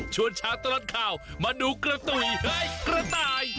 เช้าตลอดข่าวมาดูกระตุ๋ยเฮ้ยกระต่าย